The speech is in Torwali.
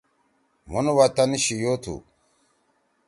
مھون وطن شیو تھو